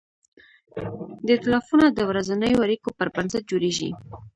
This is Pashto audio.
دا ایتلافونه د ورځنیو اړیکو پر بنسټ جوړېږي.